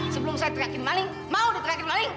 sebelum saya teriakin maling mau diterakin maling